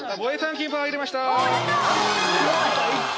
キンパ入りました